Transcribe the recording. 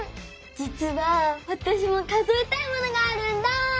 じつはわたしも数えたいものがあるんだ！